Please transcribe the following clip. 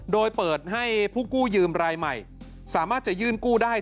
โดยเปิดให้ผู้กู้ยืมรายใหม่สามารถจะยื่นกู้ได้